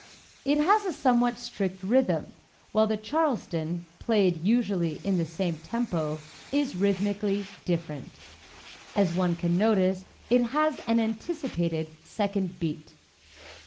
It has a somewhat strict rhythm, while the "Charleston," played usually in the same tempo, is rhythmically different. As one can notice, it has an anticipated second beat.